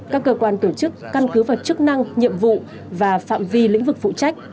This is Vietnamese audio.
các cơ quan tổ chức căn cứ vào chức năng nhiệm vụ và phạm vi lĩnh vực phụ trách